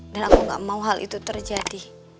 dan aku gak mau hal itu terjadi